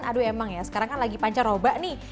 aduh emang ya sekarang kan lagi pancar obat nih